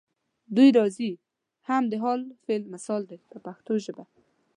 دوی راځي هم د حال فعل مثال دی په پښتو ژبه.